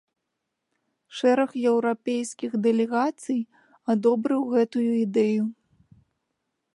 Шэраг еўрапейскіх дэлегацый адобрыў гэтую ідэю.